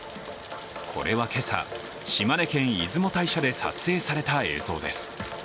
これは今朝、島根県出雲大社で撮影された映像です。